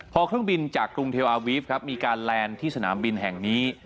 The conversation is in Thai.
พอเครื่องบินจากกรุงเทลอาวีฟครับมีการแลนด์ที่สนามบินแห่งนี้